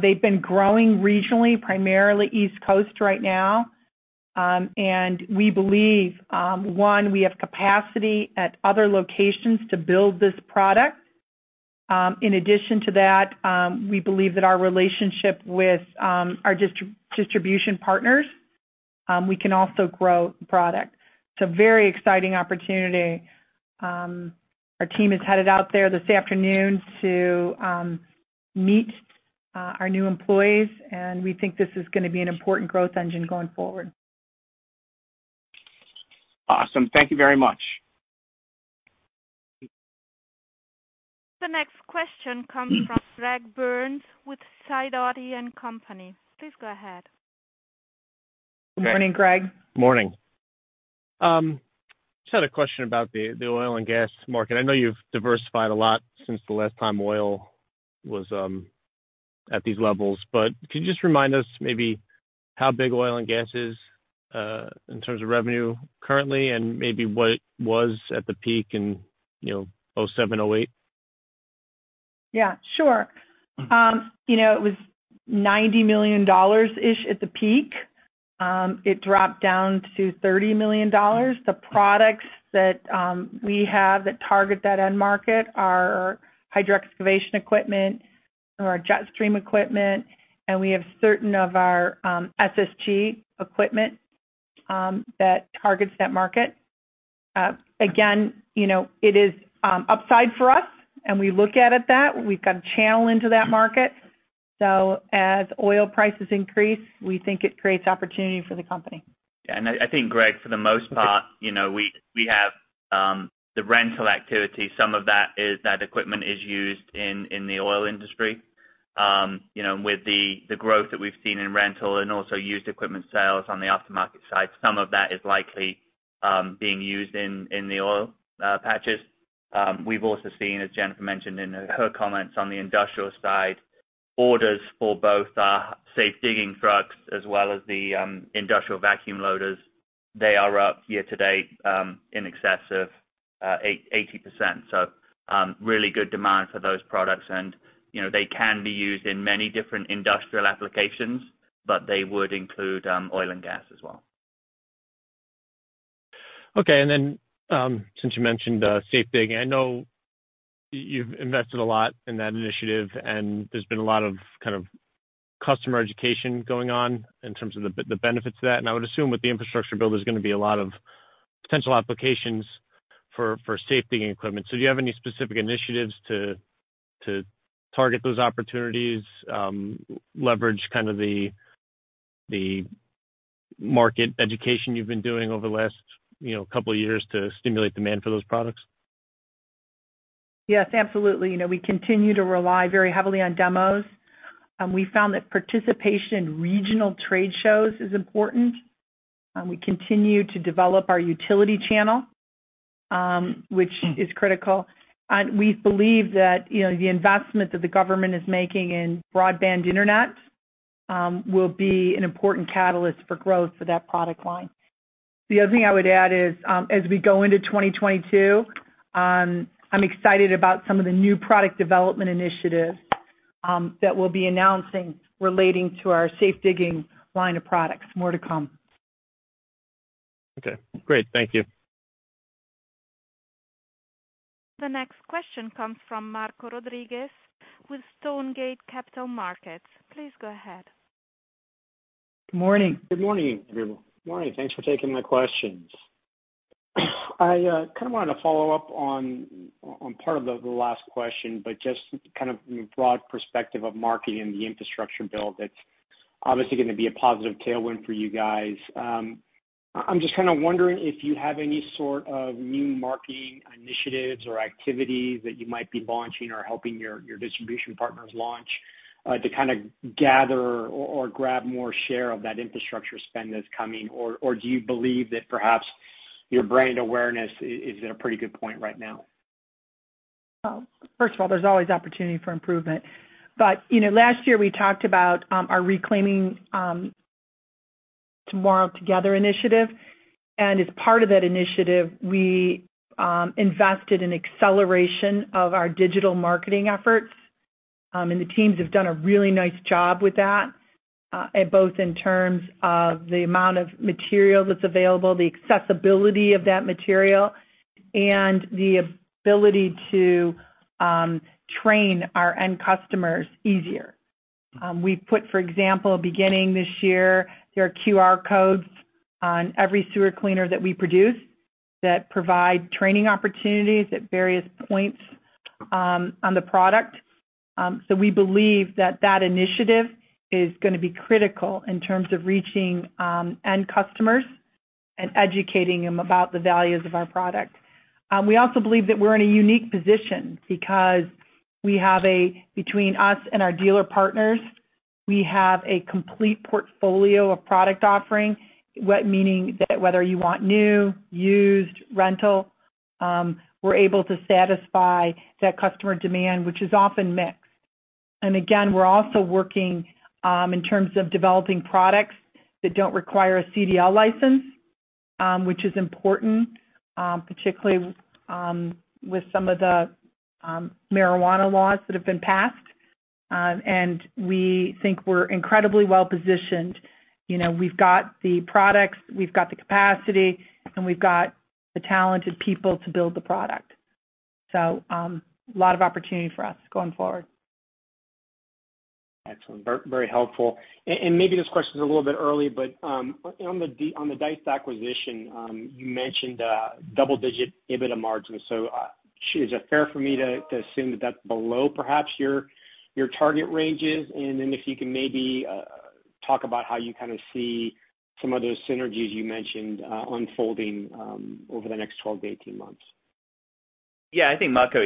They've been growing regionally, primarily East Coast right now. We believe one, we have capacity at other locations to build this product. In addition to that, we believe that our relationship with our distribution partners, we can also grow the product. It's a very exciting opportunity. Our team is headed out there this afternoon to meet our new employees, and we think this is gonna be an important growth engine going forward. Awesome. Thank you very much. The next question comes from Greg Burns with Sidoti & Company. Please go ahead. Morning, Greg. Morning. Just had a question about the oil and gas market. I know you've diversified a lot since the last time oil was at these levels, but can you just remind us maybe how big oil and gas is in terms of revenue currently and maybe what it was at the peak in 2007, 2008? Yeah, sure. You know, it was $90 million-ish at the peak. It dropped down to $30 million. The products that we have that target that end market are hydro-excavation equipment or our Jetstream equipment, and we have certain of our SSG equipment that targets that market. Again, you know, it is upside for us, and we look at it that way. We've got a channel into that market. As oil prices increase, we think it creates opportunity for the company. Yeah. I think, Greg, for the most part, you know, we have the rental activity. Some of that is that equipment is used in the oil industry. You know, with the growth that we've seen in rental and also used equipment sales on the aftermarket side, some of that is likely being used in the oil patches. We've also seen, as Jennifer mentioned in her comments on the industrial side, orders for both our safe digging trucks as well as the industrial vacuum loaders. They are up year-to-date in excess of 80%. Really good demand for those products. You know, they can be used in many different industrial applications, but they would include oil and gas as well. Okay. Then, since you mentioned safe digging, I know you've invested a lot in that initiative, and there's been a lot of kind of customer education going on in terms of the benefits of that. I would assume with the infrastructure build, there's gonna be a lot of potential applications for safety equipment. Do you have any specific initiatives to target those opportunities, leverage kind of the market education you've been doing over the last, you know, couple of years to stimulate demand for those products? Yes, absolutely. You know, we continue to rely very heavily on demos. We found that participation in regional trade shows is important. We continue to develop our utility channel, which is critical. We believe that, you know, the investment that the government is making in broadband internet will be an important catalyst for growth for that product line. The other thing I would add is, as we go into 2022, I'm excited about some of the new product development initiatives that we'll be announcing relating to our safe digging line of products. More to come. Okay. Great. Thank you. The next question comes from Marco Rodriguez with Stonegate Capital Markets. Please go ahead. Morning. Good morning, everyone. Morning. Thanks for taking my questions. I kind of wanted to follow up on part of the last question, but just kind of broad perspective of marketing the infrastructure build that's obviously gonna be a positive tailwind for you guys. I'm just kind of wondering if you have any sort of new marketing initiatives or activities that you might be launching or helping your distribution partners launch. To kind of gather or grab more share of that infrastructure spend that's coming? Or do you believe that perhaps your brand awareness is at a pretty good point right now? Well, first of all, there's always opportunity for improvement. You know, last year we talked about our Reclaiming Tomorrow Together initiative. As part of that initiative, we invested in acceleration of our digital marketing efforts. The teams have done a really nice job with that, both in terms of the amount of material that's available, the accessibility of that material, and the ability to train our end customers easier. We've put, for example, beginning this year, there are QR codes on every sewer cleaner that we produce that provide training opportunities at various points on the product. We believe that that initiative is gonna be critical in terms of reaching end customers and educating them about the values of our product. We also believe that we're in a unique position because between us and our dealer partners, we have a complete portfolio of product offering, meaning that whether you want new, used, rental, we're able to satisfy that customer demand, which is often mixed. We're also working in terms of developing products that don't require a CDL license, which is important, particularly with some of the marijuana laws that have been passed. We think we're incredibly well positioned. You know, we've got the products, we've got the capacity, and we've got the talented people to build the product. A lot of opportunity for us going forward. Excellent. Very helpful. Maybe this question is a little bit early, but on the Deist acquisition, you mentioned double-digit EBITDA margins. Is it fair for me to assume that that's below perhaps your target ranges? Then if you can maybe talk about how you kind of see some of those synergies you mentioned unfolding over the next 12-18 months. Yeah. I think, Marco,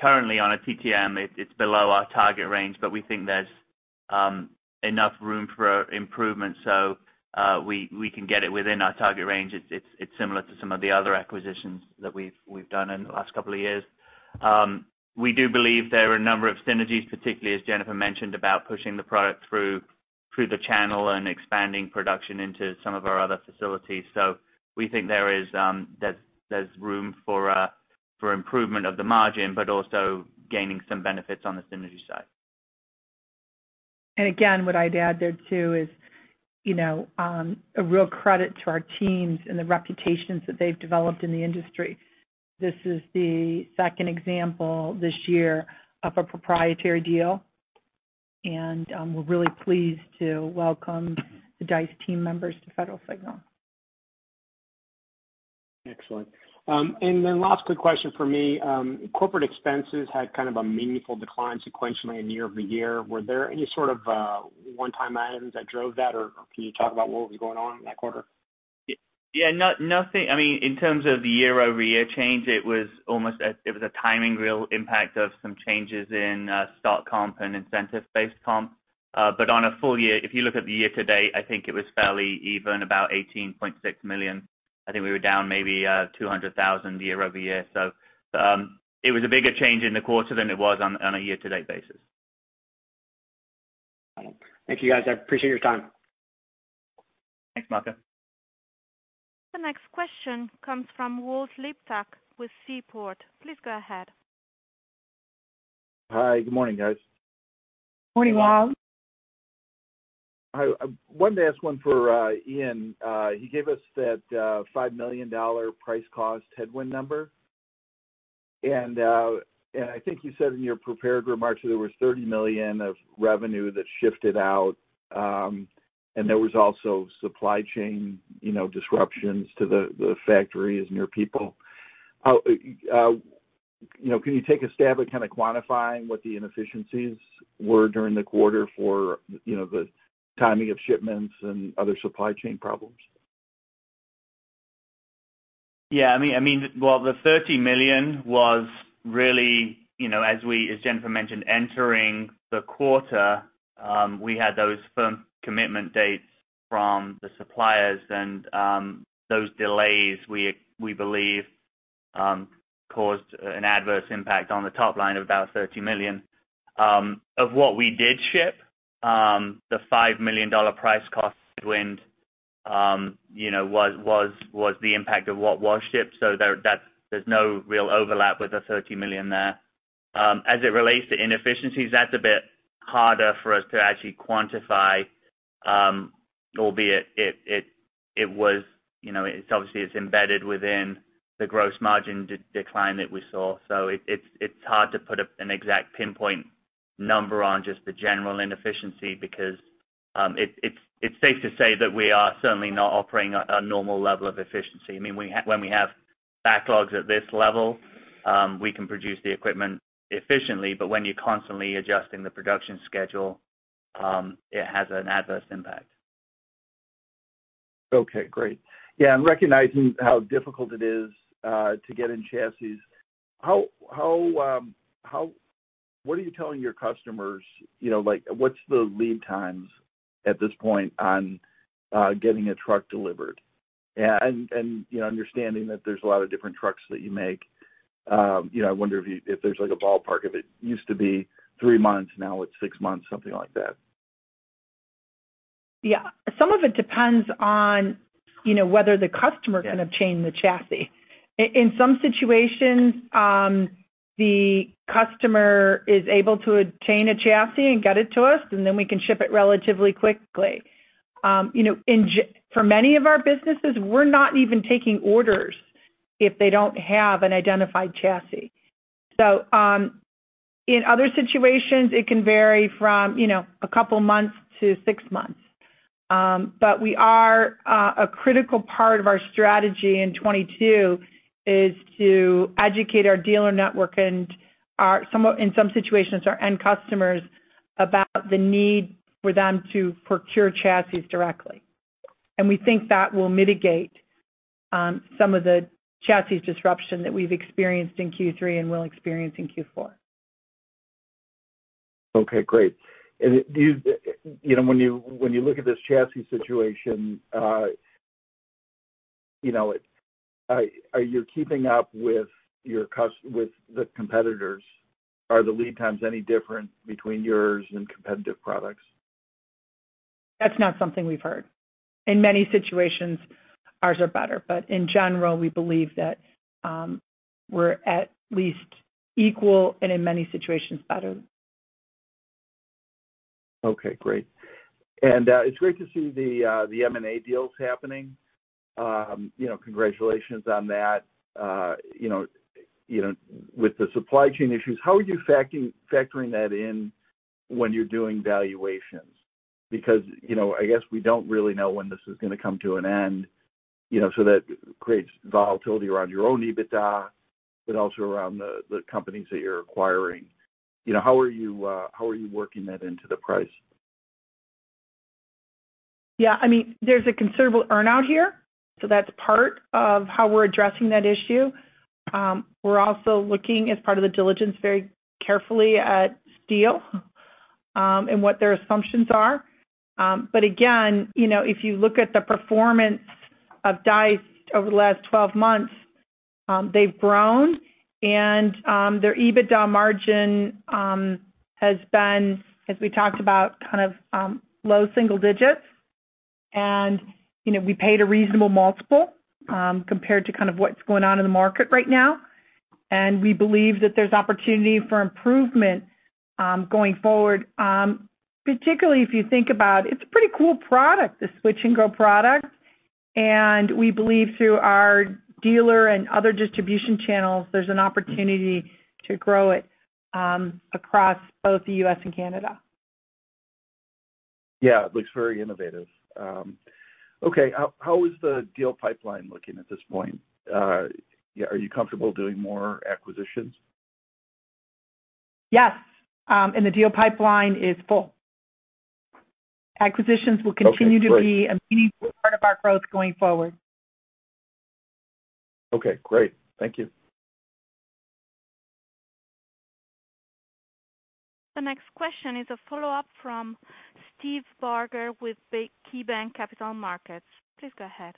currently, on a TTM, it's below our target range, but we think there's enough room for improvement, so we can get it within our target range. It's similar to some of the other acquisitions that we've done in the last couple of years. We do believe there are a number of synergies, particularly as Jennifer mentioned, about pushing the product through the channel and expanding production into some of our other facilities. We think there is room for improvement of the margin, but also gaining some benefits on the synergy side. Again, what I'd add there too is, you know, a real credit to our teams and the reputations that they've developed in the industry. This is the second example this year of a proprietary deal, and we're really pleased to welcome the Deist team members to Federal Signal. Excellent. Last quick question for me. Corporate expenses had kind of a meaningful decline sequentially and year-over-year. Were there any sort of, one-time items that drove that? Or can you talk about what was going on in that quarter? Yeah. Nothing. I mean, in terms of the year-over-year change, it was a timing real impact of some changes in stock comp and incentive-based comp. But on a full year, if you look at the year-to-date, I think it was fairly even, about 18.6 million. I think we were down maybe 200,000 year-over-year. It was a bigger change in the quarter than it was on a year-to-date basis. Got it. Thank you, guys. I appreciate your time. Thanks, Marco. The next question comes from Walt Liptak with Seaport. Please go ahead. Hi. Good morning, guys. Morning, Walt. I want to ask Ian. He gave us that $5 million price cost headwind number. I think you said in your prepared remarks there was 30 million of revenue that shifted out, and there was also supply chain, you know, disruptions to the factories and your people. How, you know, can you take a stab at kind of quantifying what the inefficiencies were during the quarter for the timing of shipments and other supply chain problems? Yeah, I mean, well, the 30 million was really, you know, as Jennifer mentioned, entering the quarter, we had those firm commitment dates from the suppliers and those delays we believe caused an adverse impact on the top line of about 30 million. Of what we did ship, the $5 million price cost win, you know, was the impact of what was shipped. So there's no real overlap with the 30 million there. As it relates to inefficiencies, that's a bit harder for us to actually quantify, albeit it was, you know, it's obviously embedded within the gross margin decline that we saw. It's hard to put an exact pinpoint number on just the general inefficiency because it's safe to say that we are certainly not operating at a normal level of efficiency. I mean, when we have backlogs at this level, we can produce the equipment efficiently, but when you're constantly adjusting the production schedule, it has an adverse impact. Okay, great. Yeah, recognizing how difficult it is to get a chassis, what are you telling your customers, you know, like what's the lead times at this point on getting a truck delivered? You know, understanding that there's a lot of different trucks that you make, you know, I wonder if there's like a ballpark. If it used to be three months, now it's six months, something like that. Yeah. Some of it depends on, you know, whether the customer can obtain the chassis. In some situations, the customer is able to obtain a chassis and get it to us, and then we can ship it relatively quickly. You know, for many of our businesses, we're not even taking orders if they don't have an identified chassis. So, in other situations, it can vary from, you know, a couple months to 6 months. But we are, a critical part of our strategy in 2022 is to educate our dealer network and, in some situations, our end customers, about the need for them to procure chassis directly. We think that will mitigate some of the chassis disruption that we've experienced in Q3 and will experience in Q4. Okay, great. You know, when you look at this chassis situation, you know, are you keeping up with the competitors? Are the lead times any different between yours and competitive products? That's not something we've heard. In many situations, ours are better, but in general, we believe that, we're at least equal and in many situations better. Okay, great. It's great to see the M&A deals happening. You know, congratulations on that. You know, with the supply chain issues, how are you factoring that in when you're doing valuations? Because, you know, I guess we don't really know when this is gonna come to an end, you know, so that creates volatility around your own EBITDA, but also around the companies that you're acquiring. You know, how are you working that into the price? Yeah, I mean, there's a considerable earn-out here, so that's part of how we're addressing that issue. We're also looking as part of the diligence very carefully at steel, and what their assumptions are. You know, if you look at the performance of Deist over the last 12 months, they've grown and, their EBITDA margin has been, as we talked about, kind of, low single digits. You know, we paid a reasonable multiple, compared to kind of what's going on in the market right now. We believe that there's opportunity for improvement, going forward, particularly if you think about it's a pretty cool product, the Switch-N-Go product. We believe through our dealer and other distribution channels, there's an opportunity to grow it, across both the U.S. and Canada. Yeah, it looks very innovative. Okay. How is the deal pipeline looking at this point? Are you comfortable doing more acquisitions? Yes, the deal pipeline is full. Acquisitions will continue. Okay, great. To be a meaningful part of our growth going forward. Okay, great. Thank you. The next question is a follow-up from Steve Barger with KeyBanc Capital Markets. Please go ahead.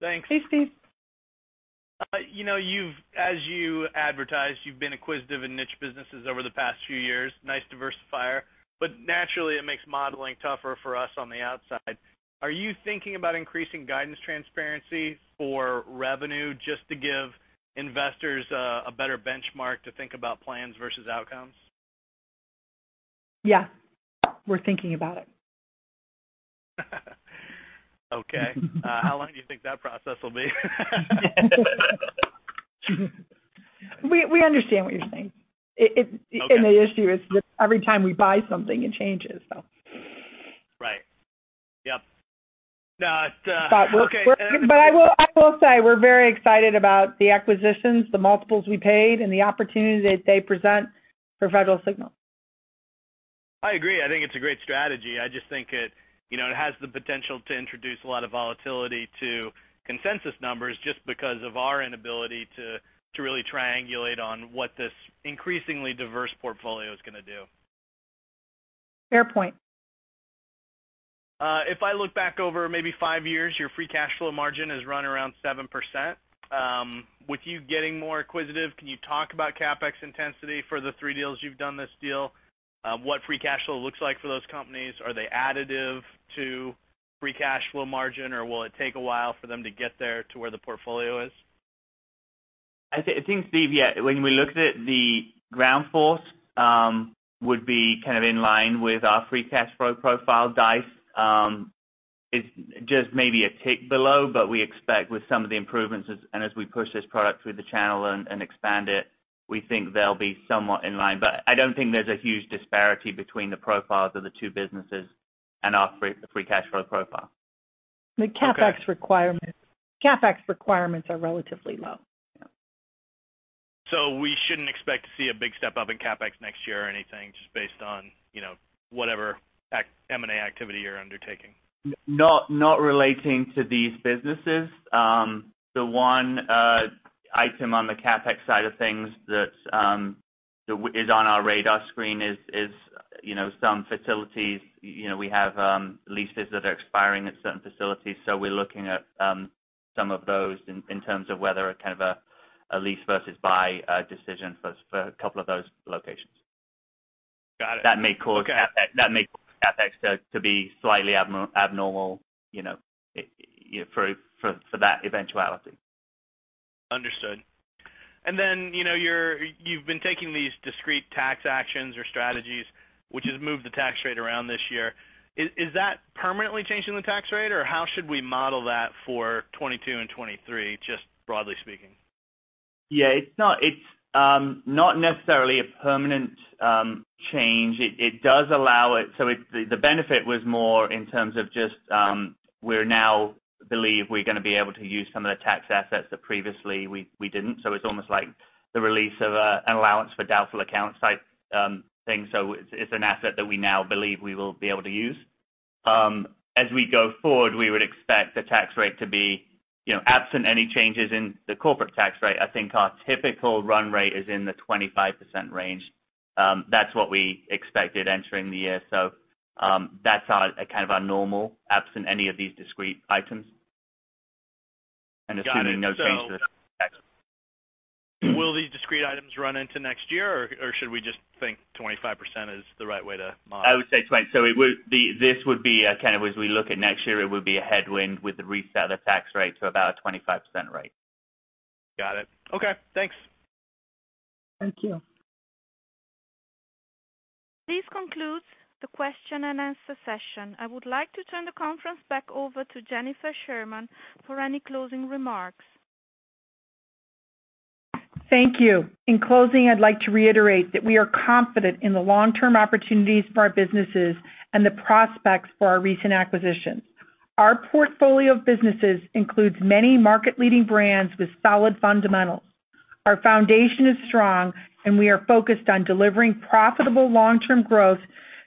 Thanks. Hey, Steve. You know, as you advertised, you've been acquisitive in niche businesses over the past few years. Nice diversifier. Naturally it makes modeling tougher for us on the outside. Are you thinking about increasing guidance transparency for revenue just to give investors a better benchmark to think about plans versus outcomes? Yeah, we're thinking about it. Okay. How long do you think that process will be? We understand what you're saying. Okay. The issue is just every time we buy something, it changes, so. Right. Yep. No, it, okay. I will say we're very excited about the acquisitions, the multiples we paid, and the opportunities that they present for Federal Signal. I agree. I think it's a great strategy. I just think it, you know, it has the potential to introduce a lot of volatility to consensus numbers just because of our inability to really triangulate on what this increasingly diverse portfolio is gonna do. Fair point. If I look back over maybe five years, your free cash flow margin has run around 7%. With you getting more acquisitive, can you talk about CapEx intensity for the three deals you've done this deal? What free cash flow looks like for those companies? Are they additive to free cash flow margin, or will it take a while for them to get there to where the portfolio is? I think, Steve, yeah. When we looked at the Ground Force, it would be kind of in line with our free cash flow profile. Deist is just maybe a tick below, but we expect with some of the improvements as we push this product through the channel and expand it, we think they'll be somewhat in line. I don't think there's a huge disparity between the profiles of the two businesses and our free cash flow profile. Okay. CapEx requirements are relatively low. We shouldn't expect to see a big step up in CapEx next year or anything, just based on, you know, whatever M&A activity you're undertaking. Not relating to these businesses. The one item on the CapEx side of things that is on our radar screen is, you know, some facilities. You know, we have leases that are expiring at certain facilities, so we're looking at some of those in terms of whether a kind of a lease versus buy decision for a couple of those locations. Got it. That may cause. Okay. That may cause CapEx to be slightly abnormal, you know, for that eventuality. Understood. You know, you've been taking these discrete tax actions or strategies, which has moved the tax rate around this year. Is that permanently changing the tax rate? Or how should we model that for 2022 and 2023, just broadly speaking? Yeah. It's not necessarily a permanent change. It does allow it. The benefit was more in terms of just, we now believe we're gonna be able to use some of the tax assets that previously we didn't. So it's almost like the release of an allowance for doubtful accounts type thing. So it's an asset that we now believe we will be able to use. As we go forward, we would expect the tax rate to be, you know, absent any changes in the corporate tax rate. I think our typical run rate is in the 25% range. That's what we expected entering the year. So that's our, kind of our normal, absent any of these discrete items. Assuming no change to the tax. Got it. Will these discrete items run into next year? Or should we just think 25% is the right way to model? I would say 20. This would be, kind of as we look at next year, it would be a headwind with the reset of the tax rate to about a 25% rate. Got it. Okay, thanks. Thank you. This concludes the question and answer session. I would like to turn the conference back over to Jennifer Sherman for any closing remarks. Thank you. In closing, I'd like to reiterate that we are confident in the long-term opportunities for our businesses and the prospects for our recent acquisitions. Our portfolio of businesses includes many market-leading brands with solid fundamentals. Our foundation is strong, and we are focused on delivering profitable long-term growth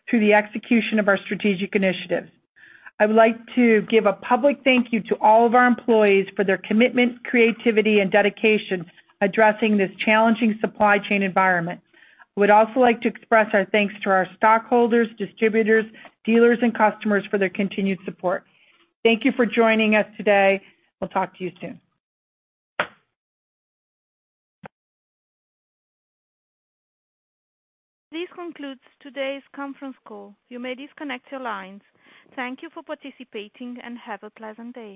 through the execution of our strategic initiatives. I would like to give a public thank you to all of our employees for their commitment, creativity, and dedication addressing this challenging supply chain environment. I would also like to express our thanks to our stockholders, distributors, dealers, and customers for their continued support. Thank you for joining us today. We'll talk to you soon. This concludes today's conference call. You may disconnect your lines. Thank you for participating, and have a pleasant day.